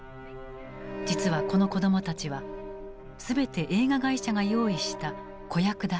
実はこの子供たちはすべて映画会社が用意した子役だった。